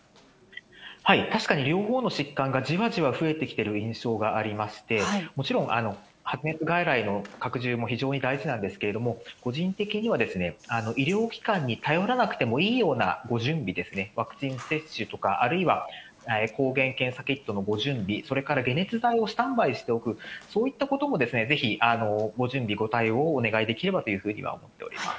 確かに両方の疾患がじわじわ増えてきている印象がありまして、もちろん、発熱外来の拡充も非常に大事なんですけれども、個人的には、医療機関に頼らなくてもいいような準備ですね、ワクチン接種とか、あるいは抗原検査キットのご準備、それから解熱剤をスタンバイしておく、そういったこともぜひご準備、ご対応をお願いできればというふうには思っております。